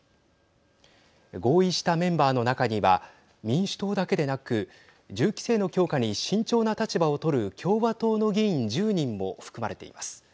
合意したメンバーの中には民主党だけでなく銃規制の強化に慎重な立場を取る共和党の議員１０人も含まれています。